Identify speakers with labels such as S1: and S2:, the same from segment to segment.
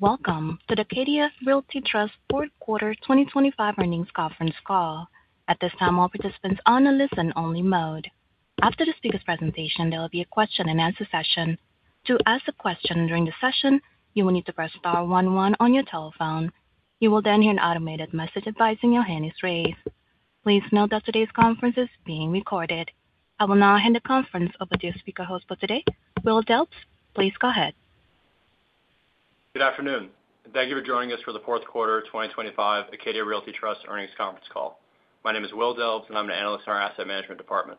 S1: Welcome to the Acadia Realty Trust fourth quarter 2025 earnings conference call. At this time, all participants are on a listen-only mode. After the speaker's presentation, there will be a question-and-answer session. To ask a question during the session, you will need to press star one one on your telephone. You will then hear an automated message advising your hand is raised. Please note that today's conference is being recorded. I will now hand the conference over to your speaker host for today, William Debs. Please go ahead.
S2: Good afternoon, and thank you for joining us for the fourth quarter 2025 Acadia Realty Trust earnings conference call. My name is William Debs, and I'm an analyst in our asset management department.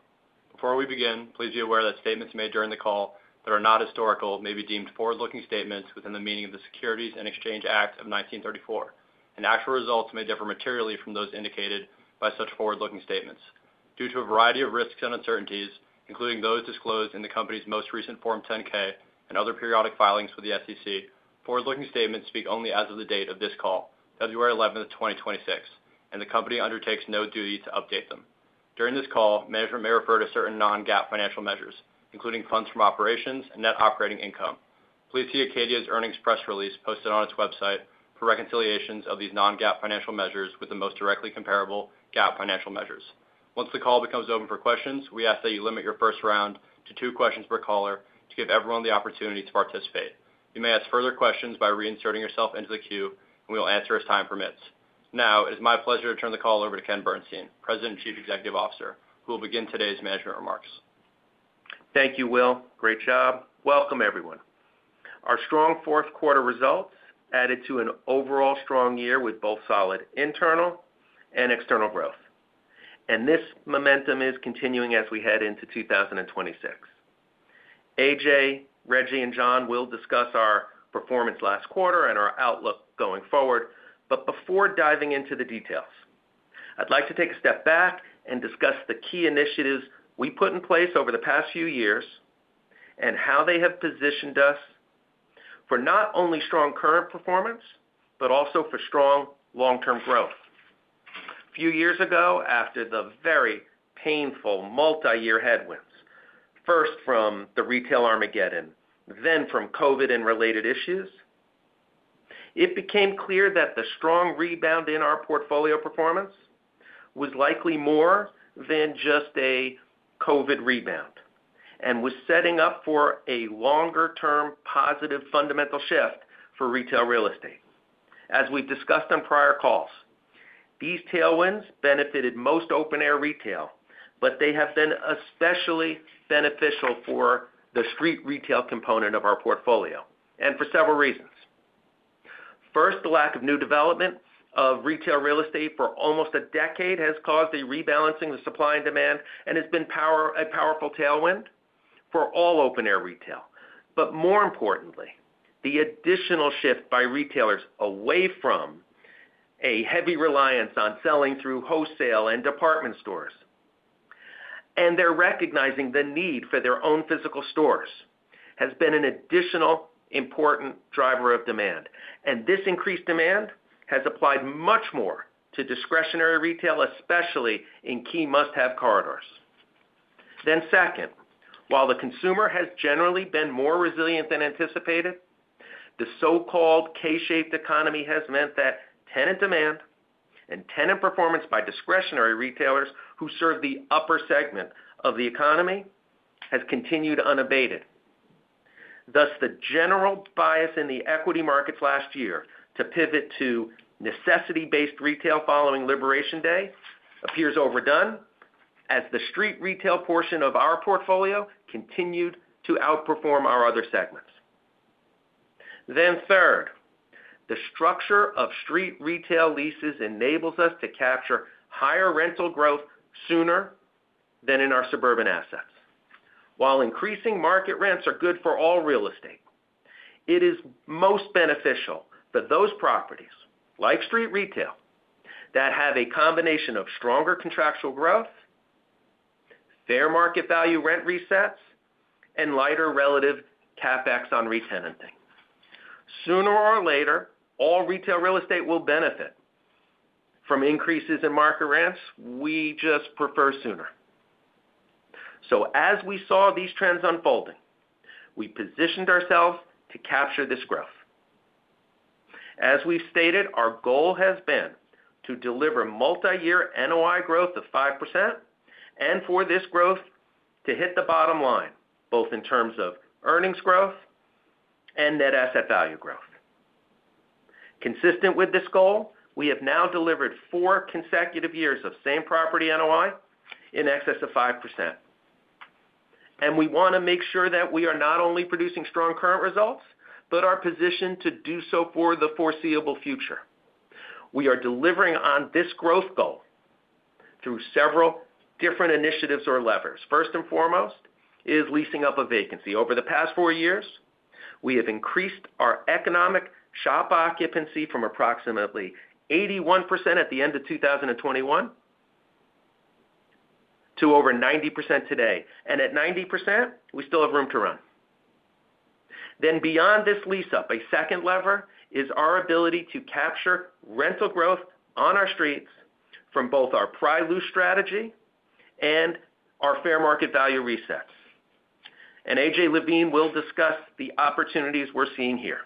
S2: Before we begin, please be aware that statements made during the call that are not historical may be deemed forward-looking statements within the meaning of the Securities Exchange Act of 1934, and actual results may differ materially from those indicated by such forward-looking statements. Due to a variety of risks and uncertainties, including those disclosed in the company's most recent Form 10-K and other periodic filings with the SEC, forward-looking statements speak only as of the date of this call, February 11, 2026, and the company undertakes no duty to update them. During this call, management may refer to certain non-GAAP financial measures, including funds from operations and net operating income. Please see Acadia's earnings press release posted on its website for reconciliations of these non-GAAP financial measures with the most directly comparable GAAP financial measures. Once the call becomes open for questions, we ask that you limit your first round to two questions per caller to give everyone the opportunity to participate. You may ask further questions by reinserting yourself into the queue, and we will answer as time permits. Now, it is my pleasure to turn the call over to Ken Bernstein, President and Chief Executive Officer, who will begin today's management remarks.
S3: Thank you, Will. Great job. Welcome, everyone. Our strong fourth quarter results added to an overall strong year with both solid internal and external growth, and this momentum is continuing as we head into 2026. AJ, Reggie, and John will discuss our performance last quarter and our outlook going forward, but before diving into the details, I'd like to take a step back and discuss the key initiatives we put in place over the past few years and how they have positioned us for not only strong current performance but also for strong long-term growth. A few years ago, after the very painful multi-year headwinds, first from the retail Armageddon, then from COVID and related issues, it became clear that the strong rebound in our portfolio performance was likely more than just a COVID rebound and was setting up for a longer-term positive fundamental shift for retail real estate. As we've discussed on prior calls, these tailwinds benefited most open-air retail, but they have been especially beneficial for the street retail component of our portfolio and for several reasons. First, the lack of new development of retail real estate for almost a decade has caused a rebalancing of supply and demand and has been a powerful tailwind for all open-air retail, but more importantly, the additional shift by retailers away from a heavy reliance on selling through wholesale and department stores, and they're recognizing the need for their own physical stores, has been an additional important driver of demand, and this increased demand has applied much more to discretionary retail, especially in key must-have corridors. Then second, while the consumer has generally been more resilient than anticipated, the so-called K-shaped economy has meant that tenant demand and tenant performance by discretionary retailers who serve the upper segment of the economy has continued unabated. Thus, the general bias in the equity markets last year to pivot to necessity-based retail following Liberation Day appears overdone as the street retail portion of our portfolio continued to outperform our other segments. Then third, the structure of street retail leases enables us to capture higher rental growth sooner than in our suburban assets. While increasing market rents are good for all real estate, it is most beneficial for those properties, like street retail, that have a combination of stronger contractual growth, fair market value rent resets, and lighter relative CapEx on re-tenanting. Sooner or later, all retail real estate will benefit from increases in market rents. We just prefer sooner. As we saw these trends unfolding, we positioned ourselves to capture this growth. As we've stated, our goal has been to deliver multi-year NOI growth of 5% and for this growth to hit the bottom line, both in terms of earnings growth and net asset value growth. Consistent with this goal, we have now delivered four consecutive years of same-property NOI in excess of 5%, and we want to make sure that we are not only producing strong current results but are positioned to do so for the foreseeable future. We are delivering on this growth goal through several different initiatives or levers. First and foremost is leasing up a vacancy. Over the past four years, we have increased our economic shop occupancy from approximately 81% at the end of 2021 to over 90% today, and at 90%, we still have room to run. Then beyond this lease up, a second lever is our ability to capture rental growth on our streets from both our pre-lease strategy and our fair market value resets, and A.J. Levine will discuss the opportunities we're seeing here.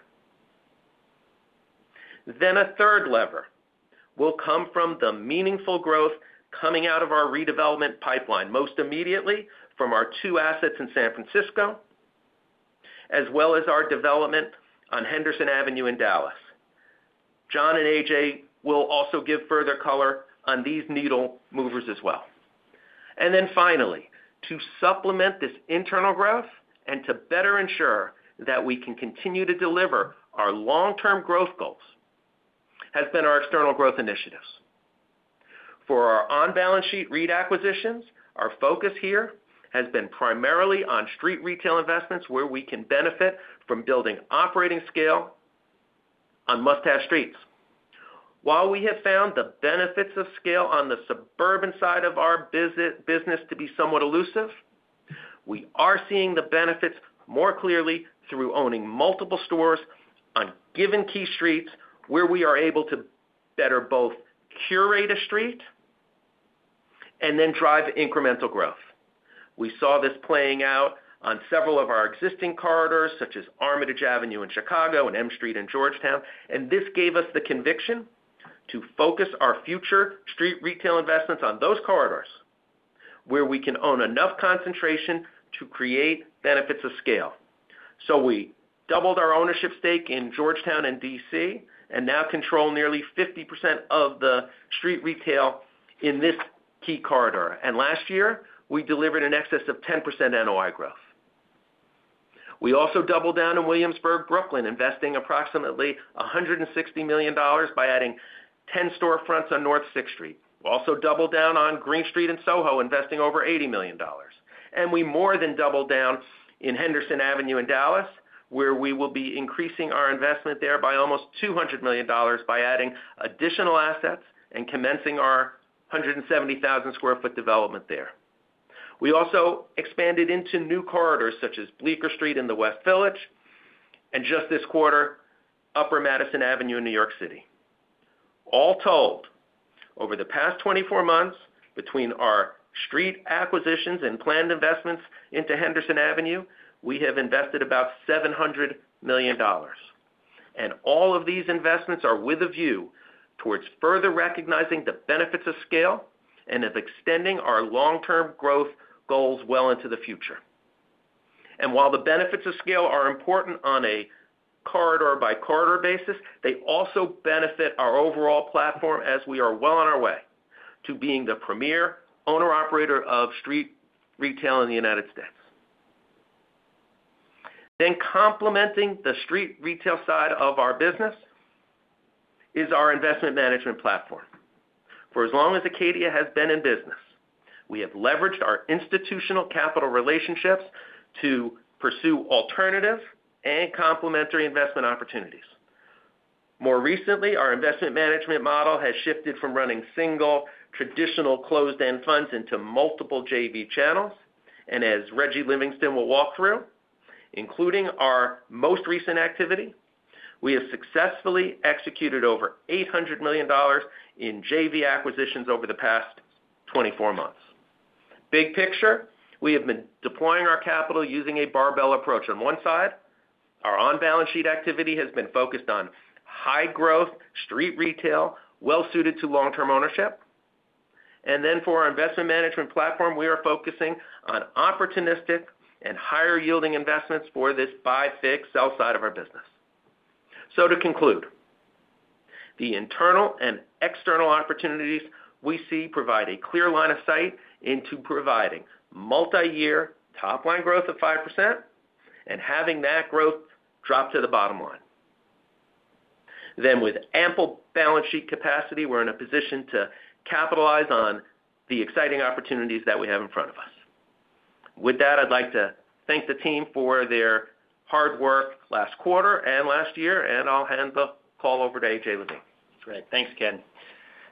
S3: Then a third lever will come from the meaningful growth coming out of our redevelopment pipeline, most immediately from our two assets in San Francisco as well as our development on Henderson Avenue in Dallas. John and A.J. will also give further color on these needle movers as well. And then finally, to supplement this internal growth and to better ensure that we can continue to deliver our long-term growth goals has been our external growth initiatives. For our on-balance sheet REIT acquisitions, our focus here has been primarily on street retail investments where we can benefit from building operating scale on must-have streets. While we have found the benefits of scale on the suburban side of our business to be somewhat elusive, we are seeing the benefits more clearly through owning multiple stores on given key streets where we are able to better both curate a street and then drive incremental growth. We saw this playing out on several of our existing corridors such as Armitage Avenue in Chicago and M Street in Georgetown, and this gave us the conviction to focus our future street retail investments on those corridors where we can own enough concentration to create benefits of scale. We doubled our ownership stake in Georgetown and D.C. and now control nearly 50% of the street retail in this key corridor, and last year, we delivered an excess of 10% NOI growth. We also doubled down in Williamsburg, Brooklyn, investing approximately $160 million by adding 10 storefronts on North 6th Street. We also doubled down on Greene Street and SoHo, investing over $80 million, and we more than doubled down in Henderson Avenue in Dallas where we will be increasing our investment there by almost $200 million by adding additional assets and commencing our 170,000 sq ft development there. We also expanded into new corridors such as Bleecker Street in the West Village and, just this quarter, Upper Madison Avenue in New York City. All told, over the past 24 months between our street acquisitions and planned investments into Henderson Avenue, we have invested about $700 million, and all of these investments are with a view towards further recognizing the benefits of scale and of extending our long-term growth goals well into the future. While the benefits of scale are important on a corridor-by-corridor basis, they also benefit our overall platform as we are well on our way to being the premier owner-operator of street retail in the United States. Complementing the street retail side of our business is our investment management platform. For as long as Acadia has been in business, we have leveraged our institutional capital relationships to pursue alternative and complementary investment opportunities. More recently, our investment management model has shifted from running single, traditional closed-end funds into multiple JV channels, and as Reggie Livingston will walk through, including our most recent activity, we have successfully executed over $800 million in JV acquisitions over the past 24 months. Big picture, we have been deploying our capital using a barbell approach. On one side, our on-balance sheet activity has been focused on high-growth street retail well-suited to long-term ownership, and then for our investment management platform, we are focusing on opportunistic and higher-yielding investments for this buy-fix, sell side of our business. To conclude, the internal and external opportunities we see provide a clear line of sight into providing multi-year top-line growth of 5% and having that growth drop to the bottom line. With ample balance sheet capacity, we're in a position to capitalize on the exciting opportunities that we have in front of us. With that, I'd like to thank the team for their hard work last quarter and last year, and I'll hand the call over to A.J. Levine.
S4: That's great. Thanks, Ken.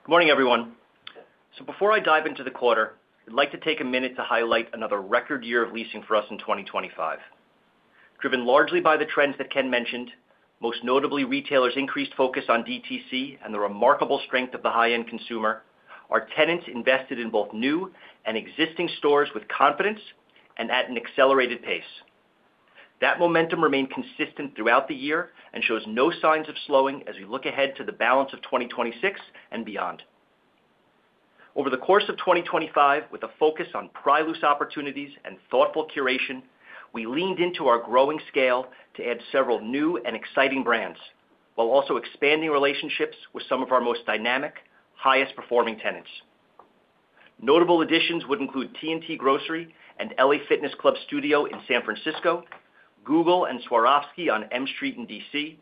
S4: Good morning, everyone. So before I dive into the quarter, I'd like to take a minute to highlight another record year of leasing for us in 2025. Driven largely by the trends that Ken mentioned, most notably retailers' increased focus on DTC and the remarkable strength of the high-end consumer, our tenants invested in both new and existing stores with confidence and at an accelerated pace. That momentum remained consistent throughout the year and shows no signs of slowing as we look ahead to the balance of 2026 and beyond. Over the course of 2025, with a focus on pri-loose opportunities and thoughtful curation, we leaned into our growing scale to add several new and exciting brands while also expanding relationships with some of our most dynamic, highest-performing tenants. Notable additions would include T&T Grocery and LA Fitness Club Studio in San Francisco, Google and Swarovski on M Street in D.C.,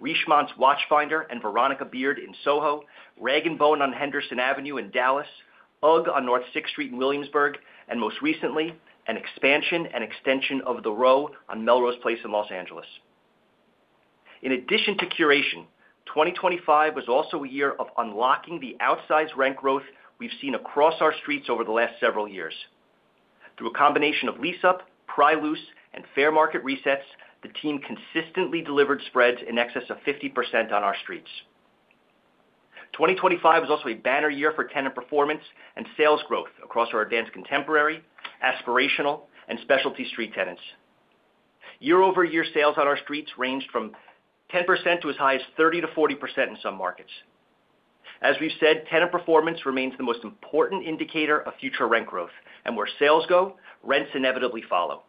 S4: Richemont's Watchfinder and Veronica Beard in SoHo, Rag & Bone on Henderson Avenue in Dallas, UGG on North 6th Street in Williamsburg, and most recently, an expansion and extension of The Row on Melrose Place in Los Angeles. In addition to curation, 2025 was also a year of unlocking the outsized rent growth we've seen across our streets over the last several years. Through a combination of lease up, Pri-loose, and fair market resets, the team consistently delivered spreads in excess of 50% on our streets. 2025 was also a banner year for tenant performance and sales growth across our advanced contemporary, aspirational, and specialty street tenants. Year-over-year sales on our streets ranged from 10% to as high as 30% to 40% in some markets. As we've said, tenant performance remains the most important indicator of future rent growth, and where sales go, rents inevitably follow,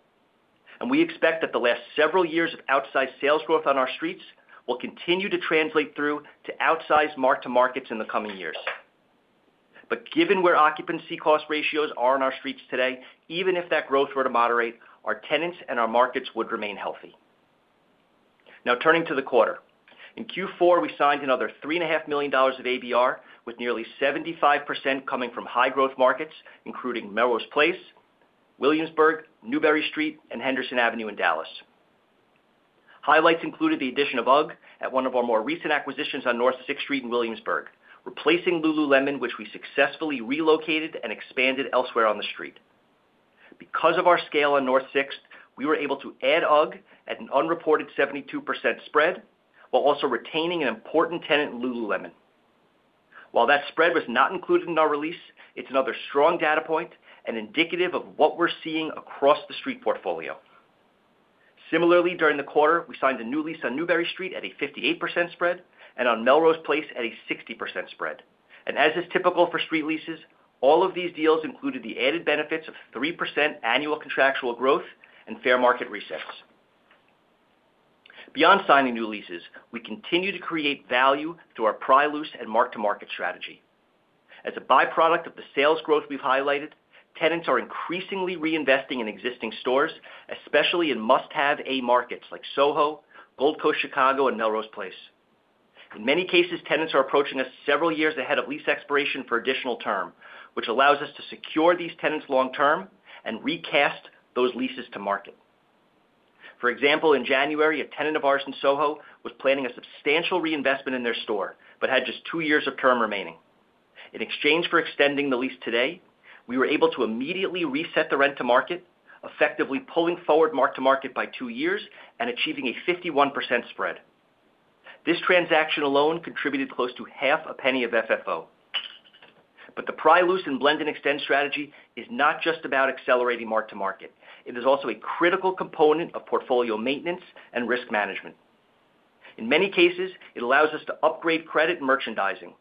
S4: and we expect that the last several years of outsized sales growth on our streets will continue to translate through to outsized mark-to-markets in the coming years. But given where occupancy cost ratios are on our streets today, even if that growth were to moderate, our tenants and our markets would remain healthy. Now, turning to the quarter, in Q4, we signed another $3.5 million of ABR, with nearly 75% coming from high-growth markets including Melrose Place, Williamsburg, Newbury Street, and Henderson Avenue in Dallas. Highlights included the addition of UGG at one of our more recent acquisitions on North 6th Street in Williamsburg, replacing lululemon, which we successfully relocated and expanded elsewhere on the street. Because of our scale on North 6th, we were able to add UGG at an unreported 72% spread while also retaining an important tenant in lululemon. While that spread was not included in our release, it's another strong data point and indicative of what we're seeing across the street portfolio. Similarly, during the quarter, we signed a new lease on Newbury Street at a 58% spread and on Melrose Place at a 60% spread, and as is typical for street leases, all of these deals included the added benefits of 3% annual contractual growth and fair market resets. Beyond signing new leases, we continue to create value through our pri-loose and mark-to-market strategy. As a byproduct of the sales growth we've highlighted, tenants are increasingly reinvesting in existing stores, especially in must-have A-markets like SoHo, Gold Coast Chicago, and Melrose Place. In many cases, tenants are approaching us several years ahead of lease expiration for additional term, which allows us to secure these tenants long-term and recast those leases to market. For example, in January, a tenant of ours in SoHo was planning a substantial reinvestment in their store but had just two years of term remaining. In exchange for extending the lease today, we were able to immediately reset the rent to market, effectively pulling forward mark-to-market by two years and achieving a 51% spread. This transaction alone contributed close to $0.005 of FFO. But the pri-loose and blend-and-extend strategy is not just about accelerating mark-to-market. It is also a critical component of portfolio maintenance and risk management. In many cases, it allows us to upgrade credit merchandising,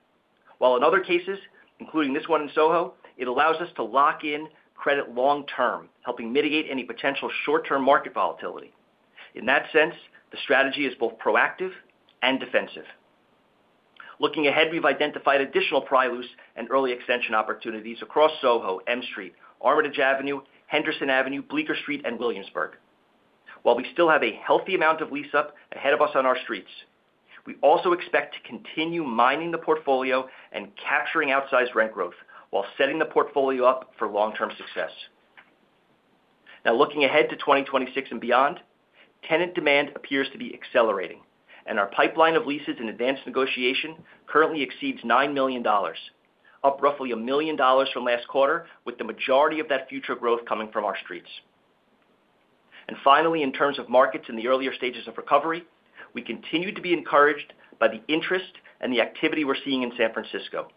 S4: while in other cases, including this one in SoHo, it allows us to lock in credit long-term, helping mitigate any potential short-term market volatility. In that sense, the strategy is both proactive and defensive. Looking ahead, we've identified additional Pri-loose and early extension opportunities across SoHo, M Street, Armitage Avenue, Henderson Avenue, Bleecker Street, and Williamsburg. While we still have a healthy amount of lease up ahead of us on our streets, we also expect to continue mining the portfolio and capturing outsized rent growth while setting the portfolio up for long-term success. Now, looking ahead to 2026 and beyond, tenant demand appears to be accelerating, and our pipeline of leases and advanced negotiation currently exceeds $9 million, up roughly $1 million from last quarter, with the majority of that future growth coming from our streets. Finally, in terms of markets in the earlier stages of recovery, we continue to be encouraged by the interest and the activity we're seeing in San Francisco.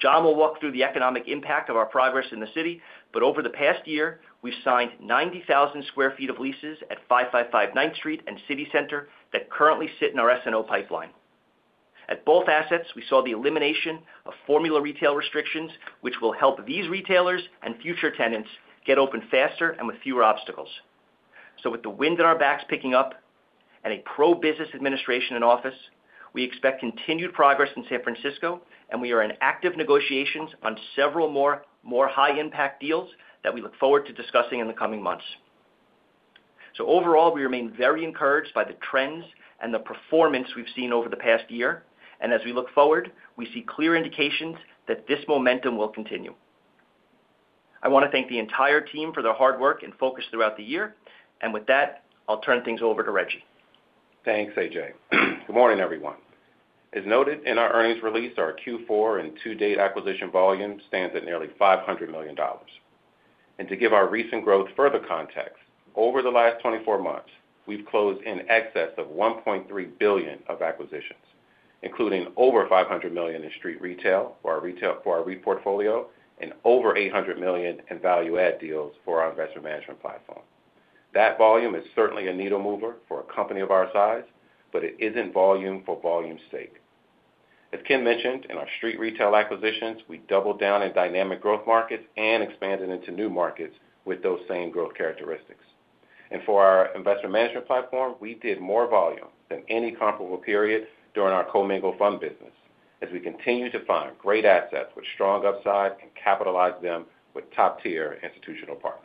S4: John will walk through the economic impact of our progress in the city, but over the past year, we've signed 90,000 sq ft of leases at 555 9th Street and City Center that currently sit in our S&O pipeline. At both assets, we saw the elimination of formula retail restrictions, which will help these retailers and future tenants get open faster and with fewer obstacles. With the wind in our backs picking up and a pro-business administration in office, we expect continued progress in San Francisco, and we are in active negotiations on several more, more high-impact deals that we look forward to discussing in the coming months. Overall, we remain very encouraged by the trends and the performance we've seen over the past year, and as we look forward, we see clear indications that this momentum will continue. I want to thank the entire team for their hard work and focus throughout the year, and with that, I'll turn things over to Reggie.
S5: Thanks, AJ. Good morning, everyone. As noted, in our earnings release, our Q4 and to-date acquisition volume stands at nearly $500 million. To give our recent growth further context, over the last 24 months, we've closed in excess of $1.3 billion of acquisitions, including over $500 million in street retail for our REIT portfolio and over $800 million in value-add deals for our investment management platform. That volume is certainly a needle mover for a company of our size, but it isn't volume for volume's sake. As Ken mentioned, in our street retail acquisitions, we doubled down in dynamic growth markets and expanded into new markets with those same growth characteristics. For our investment management platform, we did more volume than any comparable period during our co-mingled fund business as we continue to find great assets with strong upside and capitalize them with top-tier institutional partners.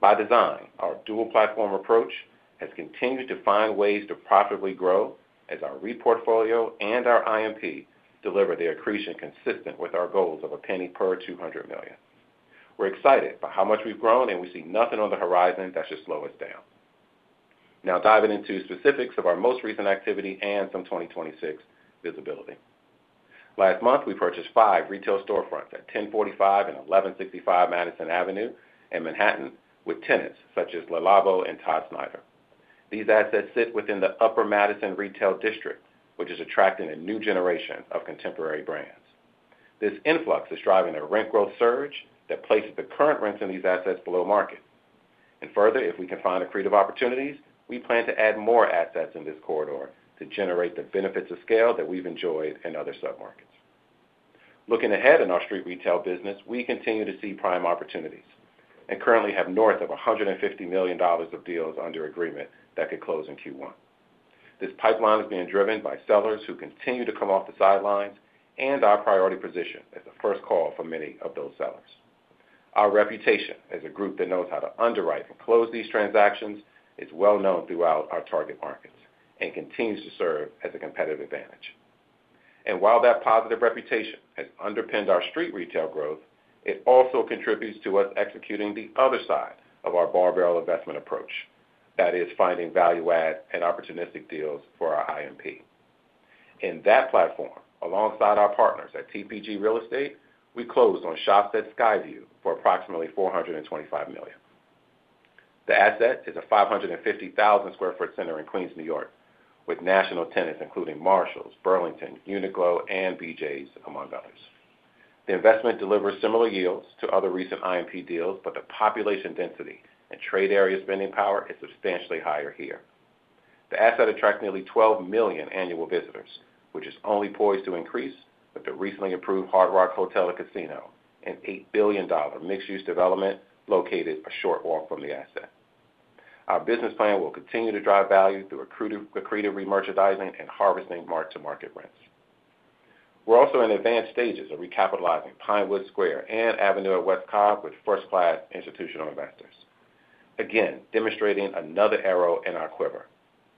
S5: By design, our dual-platform approach has continued to find ways to profitably grow as our REIT portfolio and our IMP deliver their accretion consistent with our goals of a penny per $200 million. We're excited by how much we've grown, and we see nothing on the horizon that should slow us down. Now, diving into specifics of our most recent activity and some 2026 visibility. Last month, we purchased five retail storefronts at 1045 and 1165 Madison Avenue in Manhattan with tenants such as Le Labo and Todd Snyder. These assets sit within the Upper Madison Avenue, which is attracting a new generation of contemporary brands. This influx is driving a rent growth surge that places the current rents in these assets below market. Further, if we can find accretive opportunities, we plan to add more assets in this corridor to generate the benefits of scale that we've enjoyed in other submarkets. Looking ahead in our street retail business, we continue to see prime opportunities and currently have north of $150 million of deals under agreement that could close in Q1. This pipeline is being driven by sellers who continue to come off the sidelines and our priority position as the first call for many of those sellers. Our reputation as a group that knows how to underwrite and close these transactions is well-known throughout our target markets and continues to serve as a competitive advantage. And while that positive reputation has underpinned our street retail growth, it also contributes to us executing the other side of our barbell investment approach, that is, finding value-add and opportunistic deals for our IMP. In that platform, alongside our partners at TPG Real Estate, we closed on The Shops at Skyview for approximately $425 million. The asset is a 550,000 sq ft center in Queens, New York, with national tenants including Marshalls, Burlington, Uniqlo, and BJ's, among others. The investment delivers similar yields to other recent IMP deals, but the population density and trade area spending power is substantially higher here. The asset attracts nearly 12 million annual visitors, which is only poised to increase with the recently approved Hard Rock Hotel & Casino and $8 billion mixed-use development located a short walk from the asset. Our business plan will continue to drive value through accretive remerchandising and harvesting mark-to-market rents. We're also in advanced stages of recapitalizing Pinewood Square and Avenue of West Cobb with first-class institutional investors, again demonstrating another arrow in our quiver: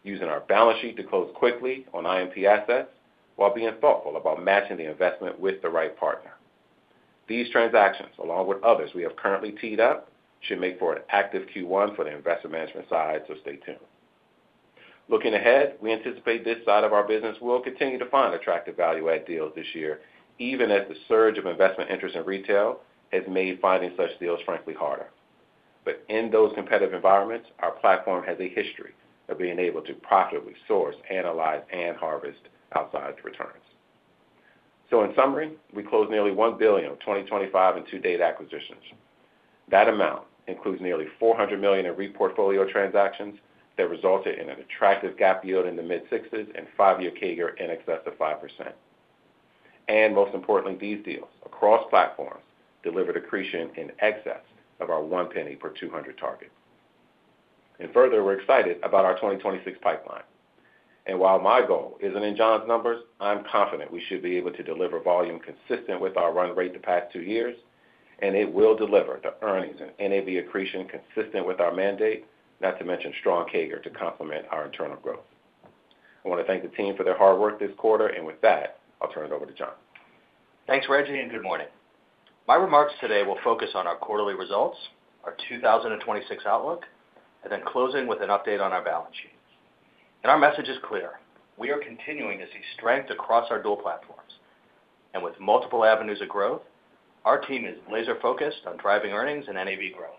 S5: using our balance sheet to close quickly on IMP assets while being thoughtful about matching the investment with the right partner. These transactions, along with others we have currently teed up, should make for an active Q1 for the investment management side, so stay tuned. Looking ahead, we anticipate this side of our business will continue to find attractive value-add deals this year, even as the surge of investment interest in retail has made finding such deals frankly harder. But in those competitive environments, our platform has a history of being able to profitably source, analyze, and harvest outsized returns. So in summary, we closed nearly $1 billion of 2025 and to-date acquisitions. That amount includes nearly $400 million in REIT portfolio transactions that resulted in an attractive GAAP yield in the mid-sixes and five-year CAGR in excess of 5%. Most importantly, these deals across platforms delivered accretion in excess of our one penny per 200 target. Further, we're excited about our 2026 pipeline. While my goal isn't in John's numbers, I'm confident we should be able to deliver volume consistent with our run rate the past two years, and it will deliver the earnings and NAV accretion consistent with our mandate, not to mention strong CAGR to complement our internal growth. I want to thank the team for their hard work this quarter, and with that, I'll turn it over to John.
S6: Thanks, Reggie, and good morning. My remarks today will focus on our quarterly results, our 2026 outlook, and then closing with an update on our balance sheet. Our message is clear: we are continuing to see strength across our dual platforms, and with multiple avenues of growth, our team is laser-focused on driving earnings and NAV growth.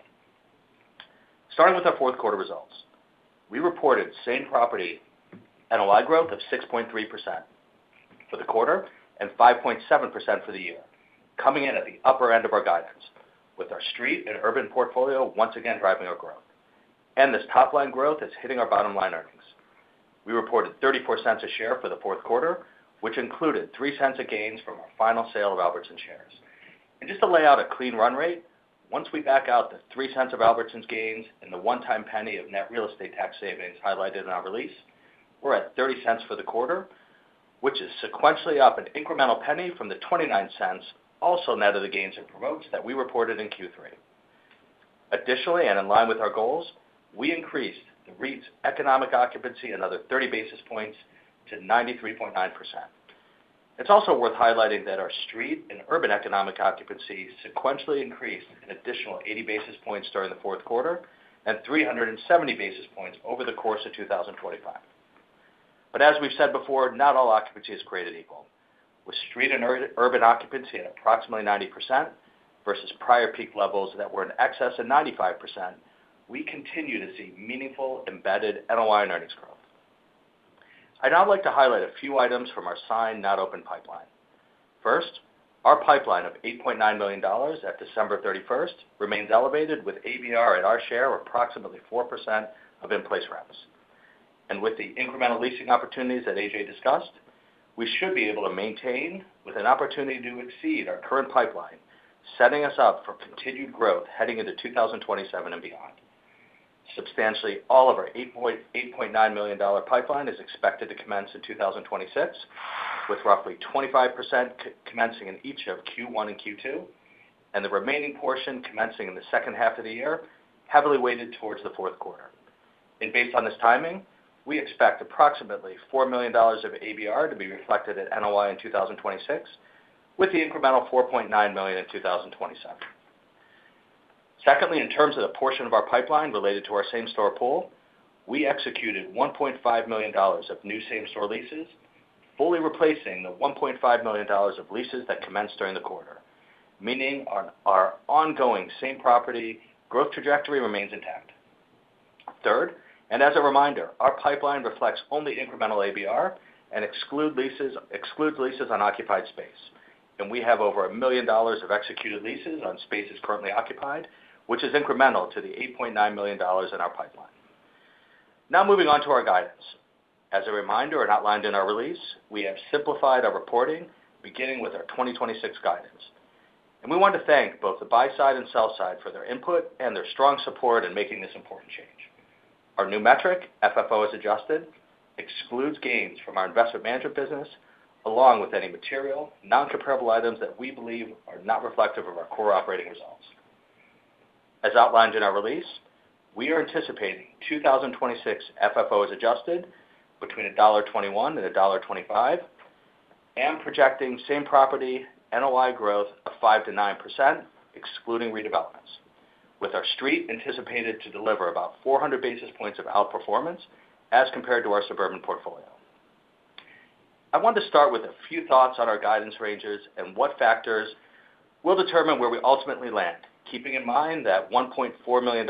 S6: Starting with our fourth quarter results, we reported same-property NOI growth of 6.3% for the quarter and 5.7% for the year, coming in at the upper end of our guidance, with our street and urban portfolio once again driving our growth. This top-line growth is hitting our bottom-line earnings. We reported $0.34 a share for the fourth quarter, which included $0.03 of gains from our final sale of Albertsons shares. Just to lay out a clean run rate, once we back out the $0.03 of Albertsons gains and the one-time $0.01 of net real estate tax savings highlighted in our release, we're at $0.30 for the quarter, which is sequentially up an incremental $0.01 from the $0.29, also net of the gains and promotes, that we reported in Q3. Additionally, and in line with our goals, we increased the REIT's economic occupancy another 30 basis points to 93.9%. It's also worth highlighting that our street and urban economic occupancy sequentially increased an additional 80 basis points during the fourth quarter and 370 basis points over the course of 2025. But as we've said before, not all occupancy is created equal. With street and urban occupancy at approximately 90% versus prior peak levels that were in excess of 95%, we continue to see meaningful embedded NOI and earnings growth. I'd now like to highlight a few items from our signed-not-open pipeline. First, our pipeline of $8.9 million at December 31st remains elevated, with ABR at our share of approximately 4% of in-place rents. And with the incremental leasing opportunities that AJ discussed, we should be able to maintain with an opportunity to exceed our current pipeline, setting us up for continued growth heading into 2027 and beyond. Substantially all of our $8.9 million pipeline is expected to commence in 2026, with roughly 25% commencing in each of Q1 and Q2, and the remaining portion commencing in the second half of the year, heavily weighted towards the fourth quarter. And based on this timing, we expect approximately $4 million of ABR to be reflected at NOI in 2026, with the incremental $4.9 million in 2027. Secondly, in terms of the portion of our pipeline related to our same-store pool, we executed $1.5 million of new same-store leases, fully replacing the $1.5 million of leases that commenced during the quarter, meaning our ongoing same-property growth trajectory remains intact. Third, and as a reminder, our pipeline reflects only incremental ABR and excludes leases on occupied space, and we have over $1 million of executed leases on spaces currently occupied, which is incremental to the $8.9 million in our pipeline. Now moving on to our guidance. As a reminder and outlined in our release, we have simplified our reporting, beginning with our 2026 guidance. We want to thank both the buy side and sell side for their input and their strong support in making this important change. Our new metric, FFO, as adjusted, excludes gains from our investment management business, along with any material, non-comparable items that we believe are not reflective of our core operating results. As outlined in our release, we are anticipating 2026 FFO as adjusted between $1.21-$1.25, and projecting same-property NOI growth of 5%-9%, excluding redevelopments, with our street anticipated to deliver about 400 basis points of outperformance as compared to our suburban portfolio. I want to start with a few thoughts on our guidance ranges and what factors will determine where we ultimately land, keeping in mind that $1.4 million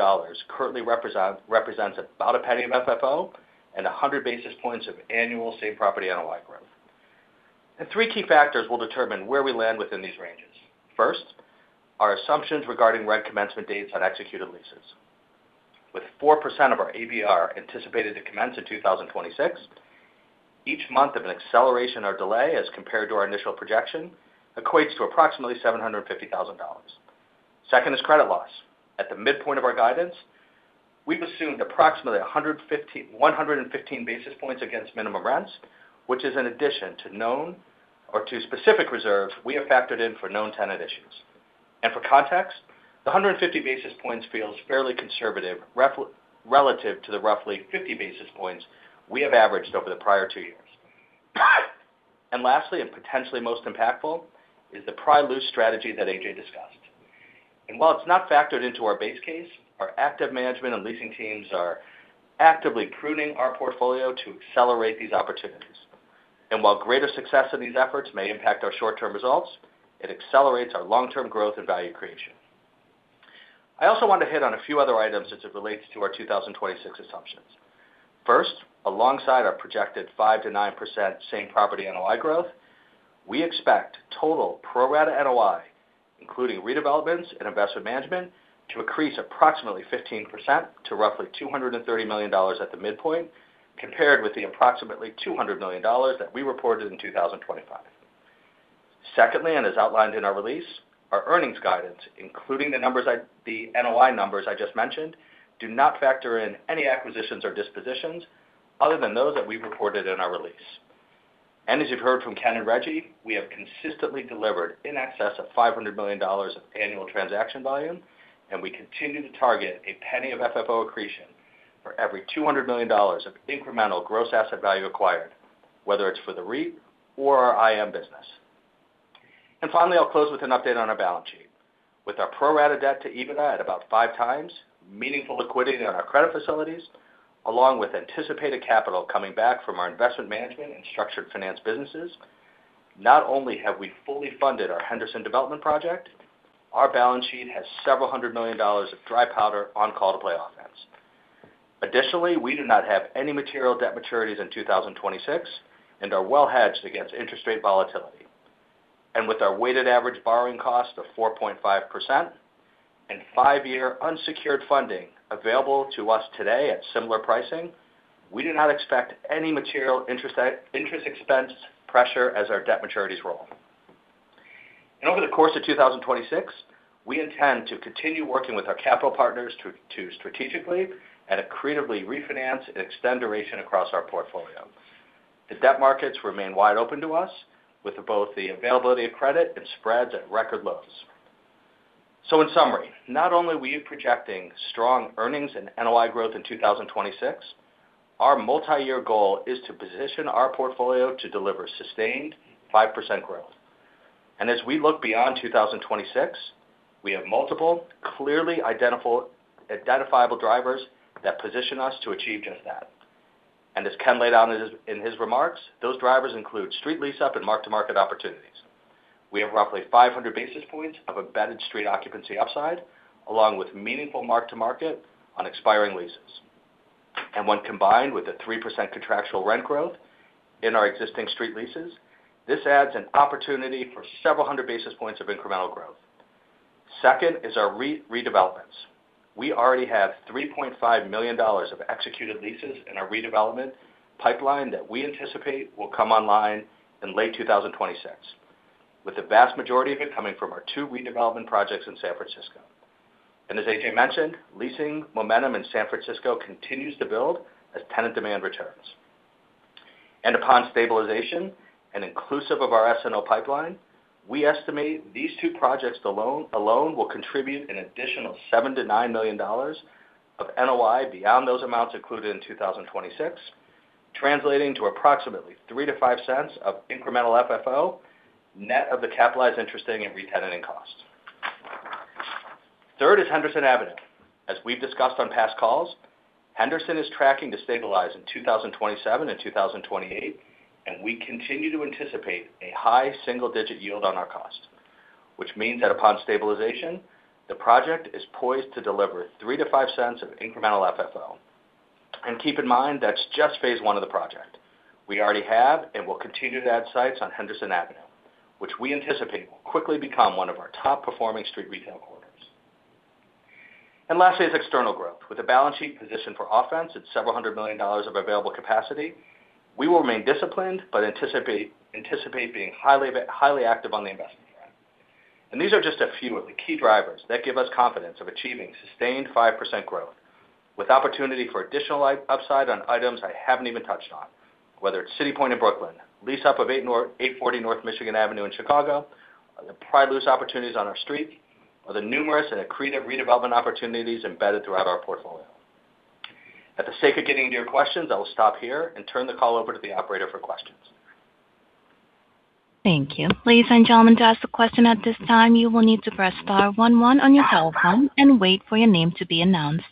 S6: currently represents about a penny of FFO and 100 basis points of annual same-property NOI growth. Three key factors will determine where we land within these ranges. First, our assumptions regarding rent commencement dates on executed leases. With 4% of our ABR anticipated to commence in 2026, each month of an acceleration or delay as compared to our initial projection equates to approximately $750,000. Second is credit loss. At the midpoint of our guidance, we've assumed approximately 115 basis points against minimum rents, which is in addition to known or to specific reserves we have factored in for known tenant issues. For context, the 150 basis points feels fairly conservative relative to the roughly 50 basis points we have averaged over the prior two years. And lastly, and potentially most impactful, is the Pri-loose strategy that AJ discussed. And while it's not factored into our base case, our active management and leasing teams are actively pruning our portfolio to accelerate these opportunities. And while greater success in these efforts may impact our short-term results, it accelerates our long-term growth and value creation. I also want to hit on a few other items as it relates to our 2026 assumptions. First, alongside our projected 5%-9% same-property NOI growth, we expect total pro-rata NOI, including redevelopments and investment management, to increase approximately 15% to roughly $230 million at the midpoint, compared with the approximately $200 million that we reported in 2025. Secondly, and as outlined in our release, our earnings guidance, including the NOI numbers I just mentioned, do not factor in any acquisitions or dispositions other than those that we reported in our release. And as you've heard from Ken and Reggie, we have consistently delivered in excess of $500 million of annual transaction volume, and we continue to target a penny of FFO accretion for every $200 million of incremental gross asset value acquired, whether it's for the REIT or our IM business. Finally, I'll close with an update on our balance sheet. With our pro-rata debt to EBITDA at about 5x, meaningful liquidity on our credit facilities, along with anticipated capital coming back from our investment management and structured finance businesses, not only have we fully funded our Henderson development project, our balance sheet has $several hundred million of dry powder on call-to-play offense. Additionally, we do not have any material debt maturities in 2026 and are well hedged against interest rate volatility. With our weighted average borrowing cost of 4.5% and 5-year unsecured funding available to us today at similar pricing, we do not expect any material interest expense pressure as our debt maturities roll. Over the course of 2026, we intend to continue working with our capital partners to strategically and accretively refinance and extend duration across our portfolio. The debt markets remain wide open to us, with both the availability of credit and spreads at record lows. So in summary, not only are we projecting strong earnings and NOI growth in 2026, our multi-year goal is to position our portfolio to deliver sustained 5% growth. As we look beyond 2026, we have multiple, clearly identifiable drivers that position us to achieve just that. As Ken laid out in his remarks, those drivers include street lease-up and mark-to-market opportunities. We have roughly 500 basis points of embedded street occupancy upside, along with meaningful mark-to-market on expiring leases. When combined with the 3% contractual rent growth in our existing street leases, this adds an opportunity for several hundred basis points of incremental growth. Second is our REIT redevelopments. We already have $3.5 million of executed leases in our redevelopment pipeline that we anticipate will come online in late 2026, with the vast majority of it coming from our two redevelopment projects in San Francisco. As AJ mentioned, leasing momentum in San Francisco continues to build as tenant demand returns. Upon stabilization and inclusive of our SNO pipeline, we estimate these two projects alone will contribute an additional $7-$9 million of NOI beyond those amounts included in 2026, translating to approximately $0.03-$0.05 of incremental FFO net of the capitalized interest and retenanting cost. Third is Henderson Avenue. As we've discussed on past calls, Henderson is tracking to stabilize in 2027 and 2028, and we continue to anticipate a high single-digit yield on our cost, which means that upon stabilization, the project is poised to deliver $0.03-$0.05 of incremental FFO. Keep in mind that's just phase one of the project. We already have and will continue to add sites on Henderson Avenue, which we anticipate will quickly become one of our top-performing street retail quarters. Lastly is external growth. With a balance sheet positioned for offense at $several hundred million of available capacity, we will remain disciplined but anticipate being highly active on the investment front. These are just a few of the key drivers that give us confidence of achieving sustained 5% growth, with opportunity for additional upside on items I haven't even touched on, whether it's City Point in Brooklyn, lease-up of 840 North Michigan Avenue in Chicago, the pri-loose opportunities on our street, or the numerous and accretive redevelopment opportunities embedded throughout our portfolio. For the sake of getting into your questions, I will stop here and turn the call over to the operator for questions.
S1: Thank you. Ladies and gentlemen, to ask a question at this time, you will need to press star 11 on your telephone and wait for your name to be announced.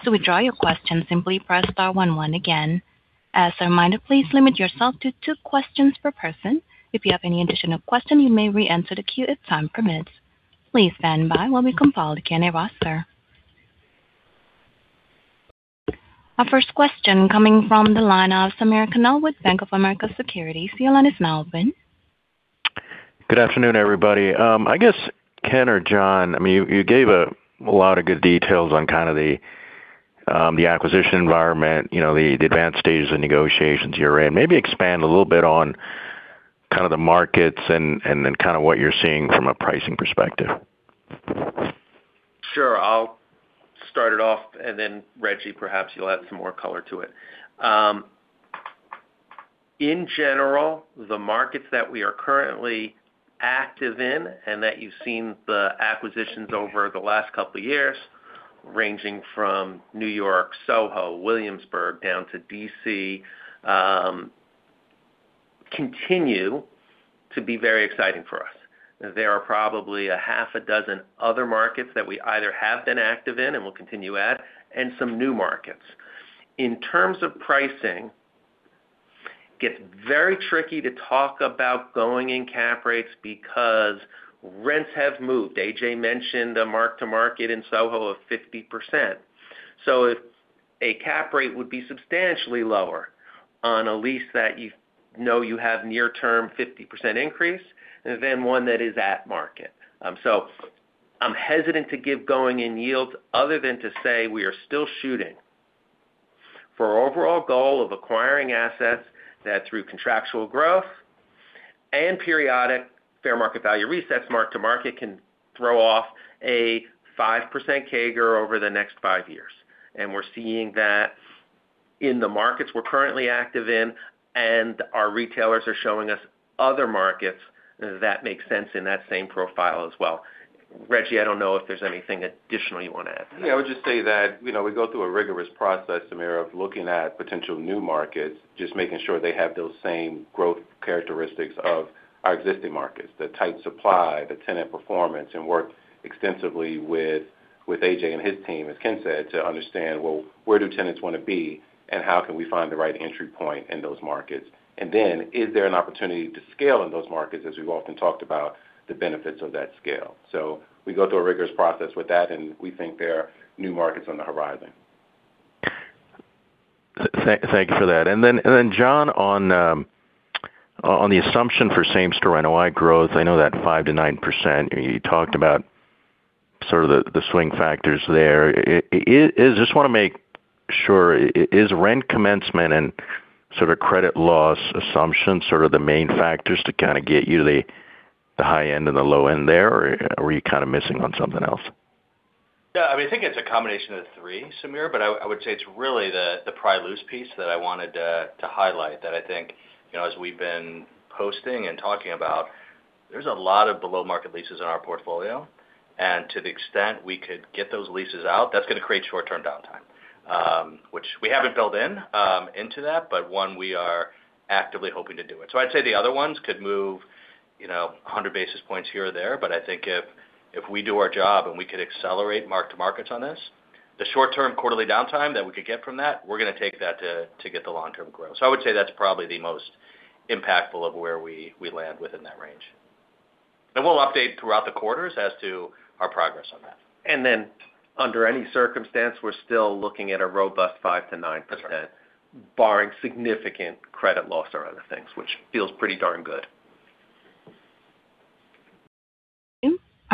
S1: So to withdraw your question, simply press star 11 again. As a reminder, please limit yourself to two questions per person. If you have any additional question, you may re-enter the queue if time permits. Please stand by while we compile the Q&A roster. Our first question, coming from the line of Samir Khanal with Bank of America Securities. Your line is now open.
S7: Good afternoon, everybody. I guess Ken or John, I mean, you gave a lot of good details on kind of the acquisition environment, the advanced stages of negotiations you're in. Maybe expand a little bit on kind of the markets and then kind of what you're seeing from a pricing perspective.
S3: Sure. I'll start it off, and then Reggie, perhaps you'll add some more color to it. In general, the markets that we are currently active in and that you've seen the acquisitions over the last couple of years, ranging from New York, SoHo, Williamsburg, down to D.C., continue to be very exciting for us. There are probably a half a dozen other markets that we either have been active in and will continue at, and some new markets. In terms of pricing, it gets very tricky to talk about going in cap rates because rents have moved. A.J. mentioned a mark-to-market in SoHo of 50%. So a cap rate would be substantially lower on a lease that you know you have near-term 50% increase than one that is at market. So I'm hesitant to give going in yields other than to say we are still shooting for our overall goal of acquiring assets that, through contractual growth and periodic fair market value resets, mark-to-market can throw off a 5% CAGR over the next five years. And we're seeing that in the markets we're currently active in, and our retailers are showing us other markets that make sense in that same profile as well. Reggie, I don't know if there's anything additional you want to add to that.
S5: Yeah. I would just say that we go through a rigorous process, Samir, of looking at potential new markets, just making sure they have those same growth characteristics of our existing markets, the tight supply, the tenant performance, and work extensively with AJ and his team, as Ken said, to understand, well, where do tenants want to be, and how can we find the right entry point in those markets? And then, is there an opportunity to scale in those markets, as we've often talked about, the benefits of that scale? So we go through a rigorous process with that, and we think there are new markets on the horizon.
S7: Thank you for that. Then, John, on the assumption for same-property NOI growth, I know that 5%-9%, you talked about sort of the swing factors there. I just want to make sure, is rent commencement and sort of credit loss assumption sort of the main factors to kind of get you to the high end and the low end there, or are you kind of missing on something else?
S6: Yeah. I mean, I think it's a combination of the three, Samir, but I would say it's really the pri-loose piece that I wanted to highlight, that I think, as we've been positing and talking about, there's a lot of below-market leases in our portfolio, and to the extent we could get those leases out, that's going to create short-term downtime, which we haven't built into that, but one, we are actively hoping to do it. So I'd say the other ones could move 100 basis points here or there, but I think if we do our job and we could accelerate mark-to-markets on this, the short-term quarterly downtime that we could get from that, we're going to take that to get the long-term growth. So I would say that's probably the most impactful of where we land within that range. We'll update throughout the quarters as to our progress on that.
S3: And then, under any circumstance, we're still looking at a robust 5%-9%, barring significant credit loss or other things, which feels pretty darn good.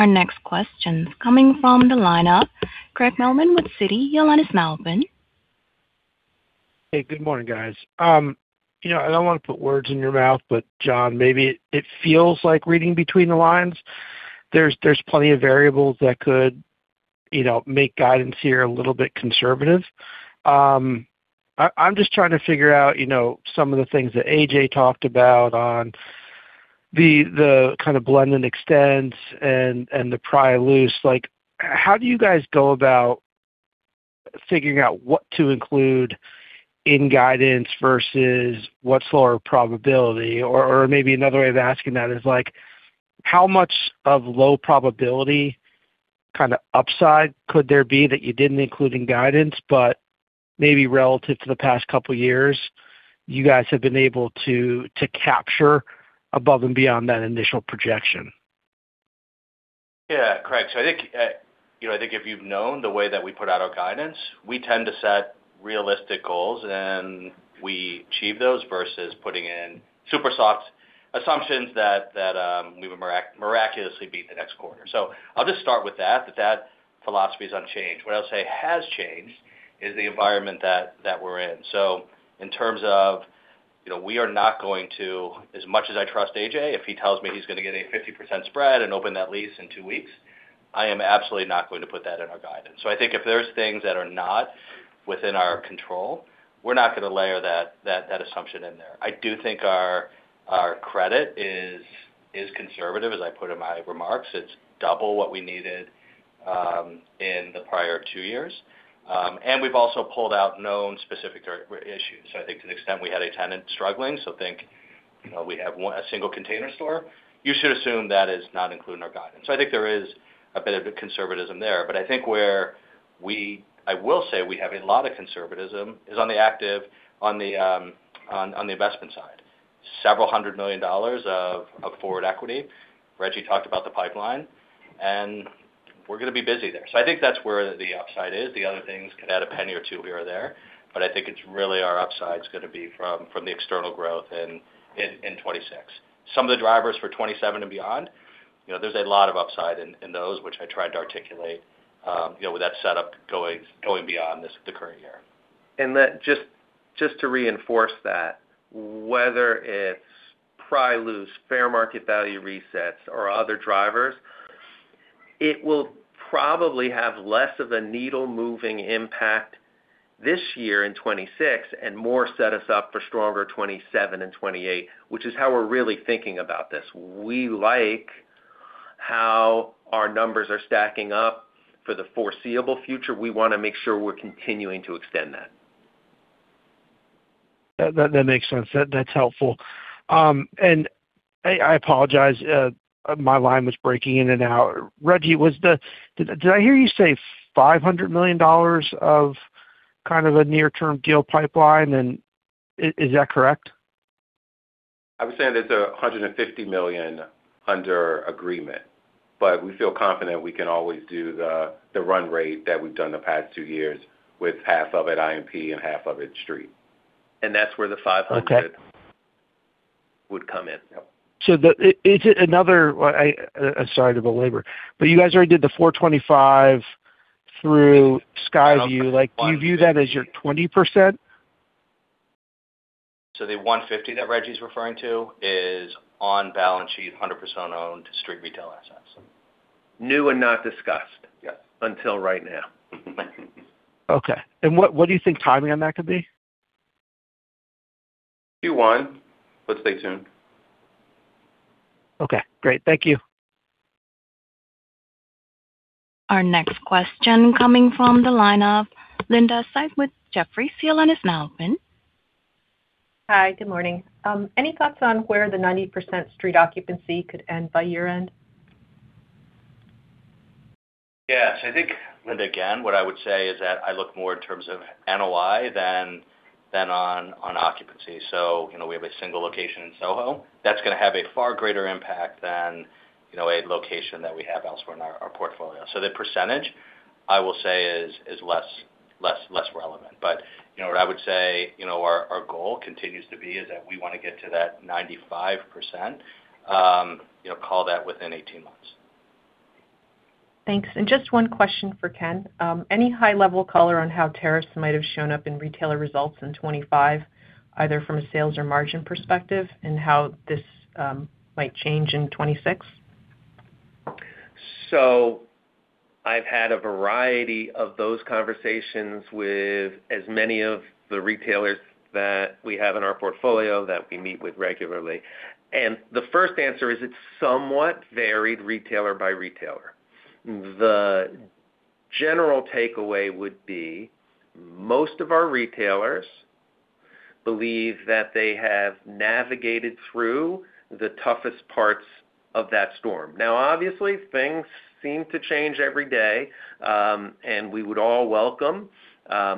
S1: Our next question's coming from the line of Craig Mailman with Citi. Your line is now open.
S8: Hey. Good morning, guys. I don't want to put words in your mouth, but John, maybe it feels like reading between the lines. There's plenty of variables that could make guidance here a little bit conservative. I'm just trying to figure out some of the things that AJ talked about on the kind of blend and extends and the Pri-loose. How do you guys go about figuring out what to include in guidance versus what's lower probability? Or maybe another way of asking that is, how much of low probability kind of upside could there be that you didn't include in guidance, but maybe relative to the past couple of years, you guys have been able to capture above and beyond that initial projection?
S6: Yeah. Correct. So I think if you've known the way that we put out our guidance, we tend to set realistic goals, and we achieve those versus putting in super soft assumptions that we've miraculously beat the next quarter. So I'll just start with that, that that philosophy is unchanged. What I'll say has changed is the environment that we're in. So in terms of, we are not going to—as much as I trust AJ, if he tells me he's going to get a 50% spread and open that lease in two weeks, I am absolutely not going to put that in our guidance. So I think if there's things that are not within our control, we're not going to layer that assumption in there. I do think our credit is conservative, as I put in my remarks. It's double what we needed in the prior two years. And we've also pulled out known specific issues. So I think to the extent we had a tenant struggling, so think we have a single Container Store, you should assume that is not included in our guidance. So I think there is a bit of conservatism there. But I think where I will say we have a lot of conservatism is on the active on the investment side, $several hundred million of forward equity. Reggie talked about the pipeline, and we're going to be busy there. So I think that's where the upside is. The other things could add $0.01 or $0.02 here or there, but I think it's really our upside's going to be from the external growth in 2026. Some of the drivers for 2027 and beyond, there's a lot of upside in those, which I tried to articulate with that setup going beyond the current year.
S4: Just to reinforce that, whether it's pri-loose, fair market value resets, or other drivers, it will probably have less of a needle-moving impact this year in 2026 and more set us up for stronger 2027 and 2028, which is how we're really thinking about this. We like how our numbers are stacking up for the foreseeable future. We want to make sure we're continuing to extend that.
S8: That makes sense. That's helpful. And I apologize. My line was breaking in and out. Reggie, did I hear you say $500 million of kind of a near-term deal pipeline, and is that correct?
S5: I was saying it's $150 million under agreement, but we feel confident we can always do the run rate that we've done the past two years with half of it IMP and half of it street.
S4: That's where the 500 would come in.
S8: So, is it another, sorry to belabor, but you guys already did the $425 through Skyview. Do you view that as your 20%?
S6: The 150 that Reggie's referring to is on balance sheet 100% owned street retail assets?
S5: New and not discussed until right now.
S8: Okay. What do you think timing on that could be?
S5: Q1. Let's stay tuned.
S8: Okay. Great. Thank you.
S1: Our next question coming from the line of Linda Tsai with Jefferies. The line is now open.
S9: Hi. Good morning. Any thoughts on where the 90% street occupancy could end by year-end?
S6: Yeah. So I think, Linda, again, what I would say is that I look more in terms of NOI than on occupancy. So we have a single location in SoHo. That's going to have a far greater impact than a location that we have elsewhere in our portfolio. So the percentage, I will say, is less relevant. But what I would say our goal continues to be is that we want to get to that 95%, call that within 18 months.
S9: Thanks. Just one question for Ken. Any high-level color on how tariffs might have shown up in retailer results in 2025, either from a sales or margin perspective, and how this might change in 2026?
S3: So I've had a variety of those conversations with as many of the retailers that we have in our portfolio that we meet with regularly. And the first answer is it's somewhat varied retailer by retailer. The general takeaway would be most of our retailers believe that they have navigated through the toughest parts of that storm. Now, obviously, things seem to change every day, and we would all welcome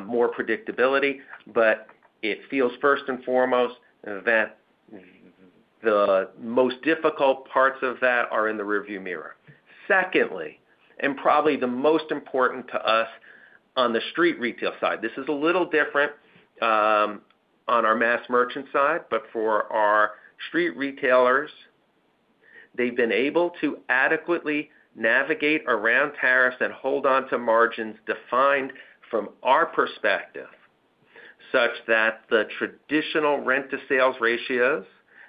S3: more predictability, but it feels first and foremost that the most difficult parts of that are in the rearview mirror. Secondly, and probably the most important to us on the street retail side, this is a little different on our mass merchant side, but for our street retailers, they've been able to adequately navigate around tariffs and hold onto margins defined from our perspective such that the traditional rent-to-sales ratios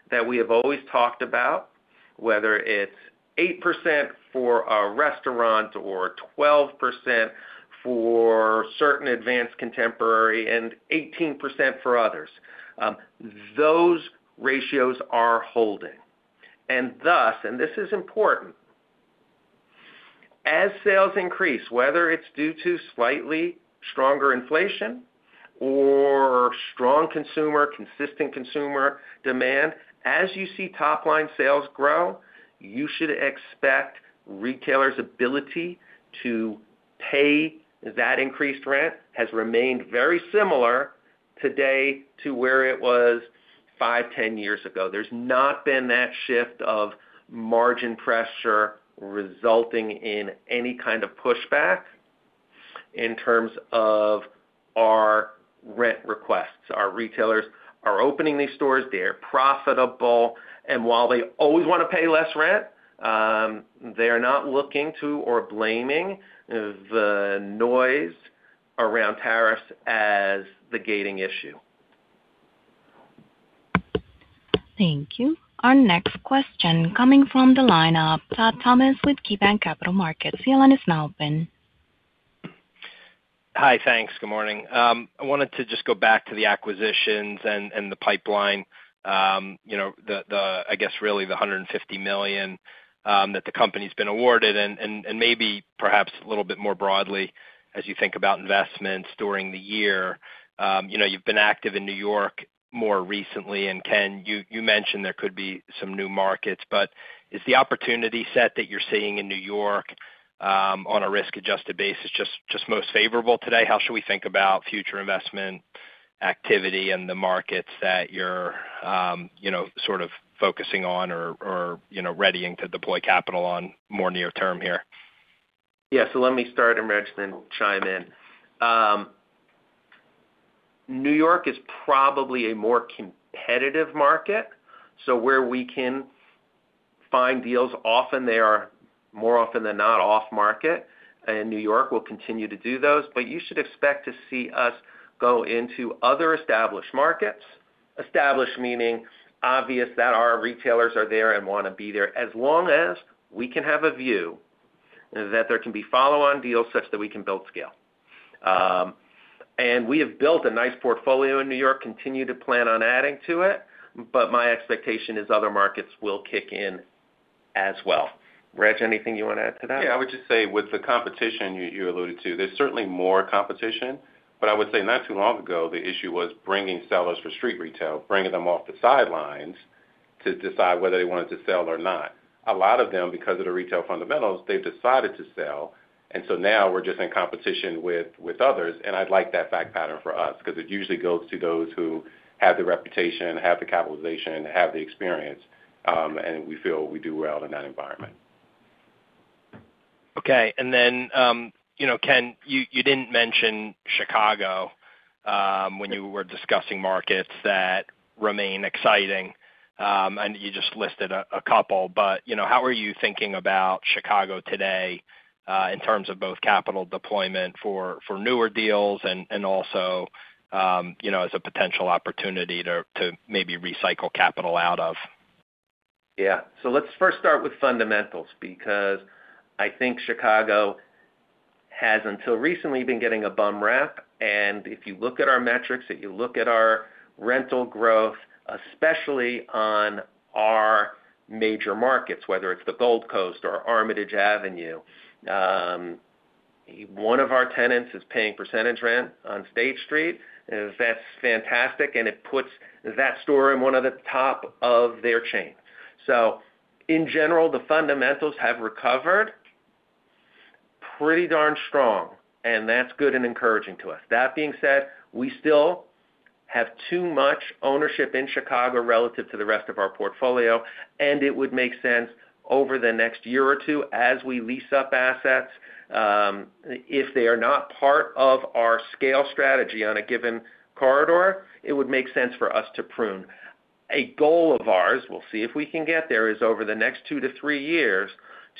S3: that we have always talked about, whether it's 8% for our restaurants or 12% for certain advanced contemporary and 18% for others, those ratios are holding. And thus, and this is important, as sales increase, whether it's due to slightly stronger inflation or strong consumer, consistent consumer demand, as you see top-line sales grow, you should expect retailers' ability to pay that increased rent has remained very similar today to where it was 5, 10 years ago. There's not been that shift of margin pressure resulting in any kind of pushback in terms of our rent requests. Our retailers are opening these stores. They are profitable. And while they always want to pay less rent, they are not looking to or blaming the noise around tariffs as the gating issue.
S1: Thank you. Our next question coming from the line of Todd Thomas with KeyBanc Capital Markets. The line is now open.
S10: Hi. Thanks. Good morning. I wanted to just go back to the acquisitions and the pipeline, I guess, really the $150 million that the company's been awarded, and maybe perhaps a little bit more broadly as you think about investments during the year. You've been active in New York more recently, and Ken, you mentioned there could be some new markets, but is the opportunity set that you're seeing in New York on a risk-adjusted basis just most favorable today? How should we think about future investment activity and the markets that you're sort of focusing on or readying to deploy capital on more near-term here?
S3: Yeah. So let me start, and Reggie then chime in. New York is probably a more competitive market, so where we can find deals, often they are more often than not off-market. And New York will continue to do those, but you should expect to see us go into other established markets, established meaning obvious that our retailers are there and want to be there as long as we can have a view that there can be follow-on deals such that we can build scale. And we have built a nice portfolio in New York, continue to plan on adding to it, but my expectation is other markets will kick in as well. Reg, anything you want to add to that?
S5: Yeah. I would just say with the competition you alluded to, there's certainly more competition, but I would say not too long ago, the issue was bringing sellers for street retail, bringing them off the sidelines to decide whether they wanted to sell or not. A lot of them, because of the retail fundamentals, they've decided to sell, and so now we're just in competition with others. I'd like that fact pattern for us because it usually goes to those who have the reputation, have the capitalization, have the experience, and we feel we do well in that environment.
S10: Okay. And then, Ken, you didn't mention Chicago when you were discussing markets that remain exciting, and you just listed a couple, but how are you thinking about Chicago today in terms of both capital deployment for newer deals and also as a potential opportunity to maybe recycle capital out of?
S3: Yeah. So let's first start with fundamentals because I think Chicago has until recently been getting a bum rap. And if you look at our metrics, if you look at our rental growth, especially on our major markets, whether it's the Gold Coast or Armitage Avenue, one of our tenants is paying percentage rent on State Street. That's fantastic, and it puts that store in one of the top of their chain. So in general, the fundamentals have recovered pretty darn strong, and that's good and encouraging to us. That being said, we still have too much ownership in Chicago relative to the rest of our portfolio, and it would make sense over the next year or two as we lease up assets, if they are not part of our scale strategy on a given corridor, it would make sense for us to prune. A goal of ours, we'll see if we can get there, is over the next 2-3 years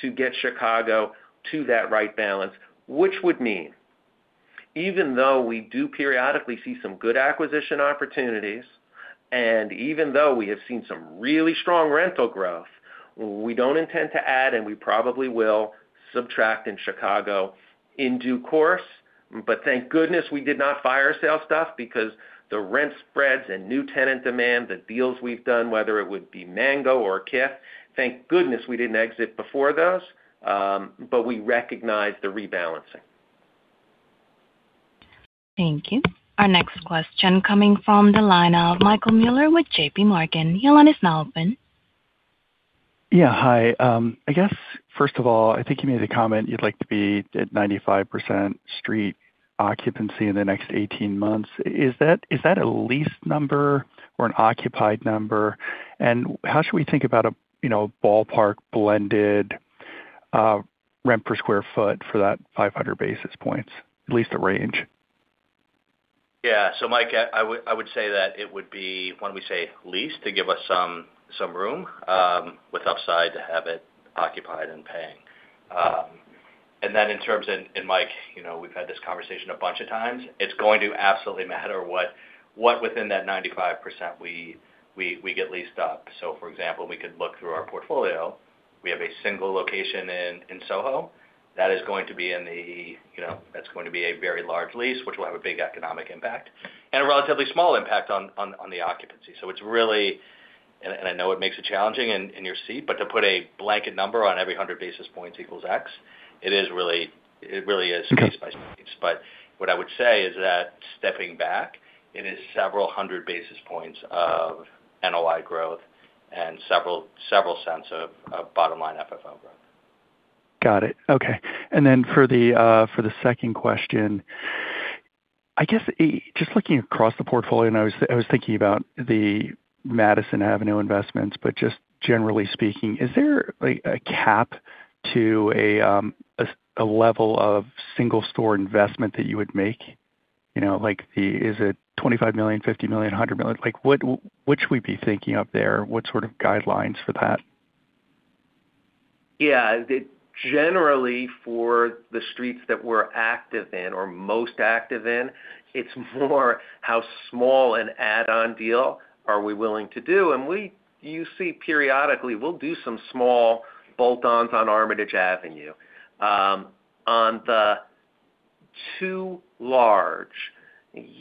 S3: to get Chicago to that right balance, which would mean even though we do periodically see some good acquisition opportunities and even though we have seen some really strong rental growth, we don't intend to add, and we probably will subtract in Chicago in due course. But thank goodness we did not fire sale stuff because the rent spreads and new tenant demand, the deals we've done, whether it would be Mango or Kith, thank goodness we didn't exit before those, but we recognize the rebalancing.
S1: Thank you. Our next question, coming from the line of Michael Mueller with J.P. Morgan. The line is now open.
S11: Yeah. Hi. I guess, first of all, I think you made the comment you'd like to be at 95% street occupancy in the next 18 months. Is that a leased number or an occupied number? And how should we think about a ballpark blended rent per square foot for that 500 basis points, at least a range?
S6: Yeah. So, Mike, I would say that it would be—why don't we say leased to give us some room with upside to have it occupied and paying. And then in terms, and Mike, we've had this conversation a bunch of times. It's going to absolutely matter what within that 95% we get leased up. So, for example, we could look through our portfolio. We have a single location in SoHo. That's going to be a very large lease, which will have a big economic impact and a relatively small impact on the occupancy. So it's really, and I know it makes it challenging in your seat, but to put a blanket number on every 100 basis points equals X, it really is case by case. What I would say is that stepping back, it is several hundred basis points of NOI growth and several cents of bottom-line FFO growth.
S11: Got it. Okay. And then for the second question, I guess just looking across the portfolio, and I was thinking about the Madison Avenue investments, but just generally speaking, is there a cap to a level of single-store investment that you would make? Is it $25 million, $50 million, $100 million? Which would we be thinking of there? What sort of guidelines for that?
S3: Yeah. Generally, for the streets that we're active in or most active in, it's more how small an add-on deal are we willing to do. You see periodically, we'll do some small bolt-ons on Armitage Avenue. On the two large,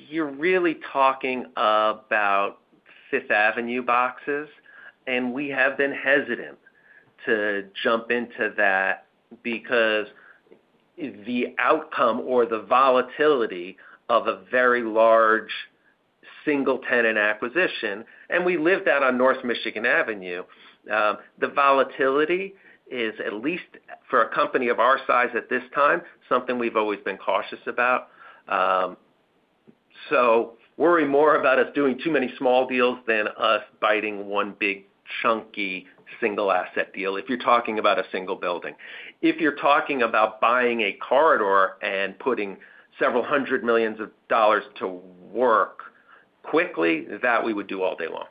S3: you're really talking about Fifth Avenue boxes, and we have been hesitant to jump into that because the outcome or the volatility of a very large single-tenant acquisition and we lived that on North Michigan Avenue. The volatility is, at least for a company of our size at this time, something we've always been cautious about. Worry more about us doing too many small deals than us biting one big chunky single-asset deal if you're talking about a single building. If you're talking about buying a corridor and putting $several hundred million to work quickly, that we would do all day long.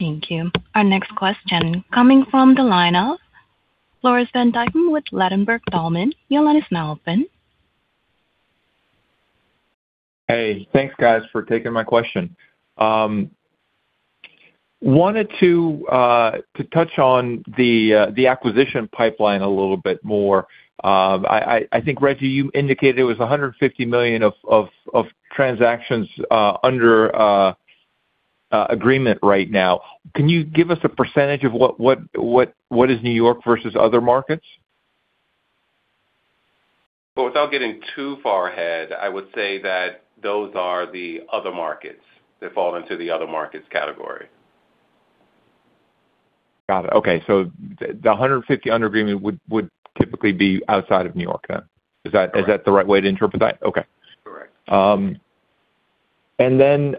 S1: Thank you. Our next question coming from the line of Floris van Djikumwith Leuthold Thalmann. The line is now open.
S12: Hey. Thanks, guys, for taking my question. Wanted to touch on the acquisition pipeline a little bit more. I think, Reggie, you indicated it was $150 million of transactions under agreement right now. Can you give us a percentage of what is New York versus other markets?
S6: Well, without getting too far ahead, I would say that those are the other markets. They fall into the other markets category.
S12: Got it. Okay. The 150 under agreement would typically be outside of New York then. Is that the right way to interpret that?
S6: Correct.
S12: Okay. And then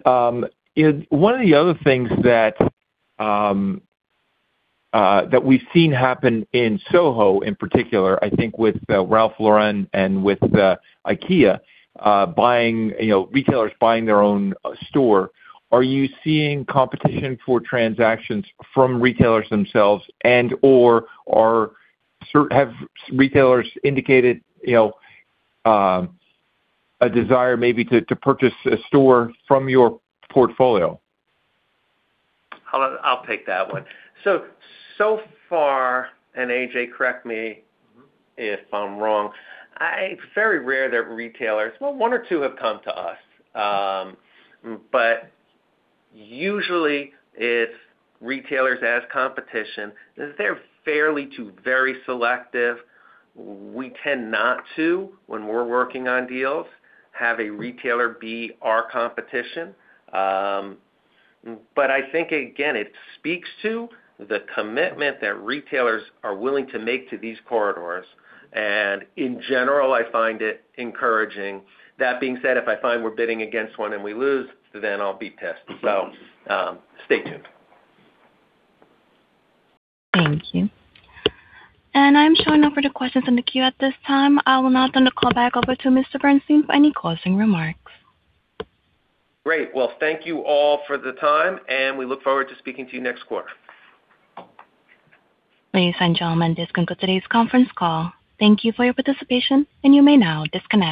S12: one of the other things that we've seen happen in SoHo, in particular, I think with Ralph Lauren and with IKEA, retailers buying their own store, are you seeing competition for transactions from retailers themselves and/or have retailers indicated a desire maybe to purchase a store from your portfolio?
S3: I'll take that one. So far, and A.J., correct me if I'm wrong, it's very rare that retailers, well, one or two have come to us. But usually, if retailers ask competition, they're fairly to very selective. We tend not to, when we're working on deals, have a retailer be our competition. But I think, again, it speaks to the commitment that retailers are willing to make to these corridors. And in general, I find it encouraging. That being said, if I find we're bidding against one and we lose, then I'll be pissed. So stay tuned.
S1: Thank you. I am showing no further questions in the queue at this time. I will now turn the call back over to Mr. Bernstein for any closing remarks.
S3: Great. Well, thank you all for the time, and we look forward to speaking to you next quarter.
S1: Ladies and gentlemen, this concludes today's conference call. Thank you for your participation, and you may now disconnect.